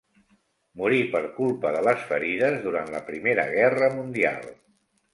Morí per culpa de les ferides durant la Primera Guerra Mundial.